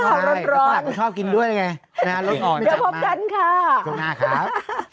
เดี๋ยวพบกันค่ะจบหน้าครับ